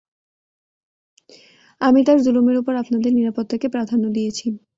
আমি তার যুলুমের উপর আপনাদের নিরাপত্তাকে প্রাধান্য দিয়েছি।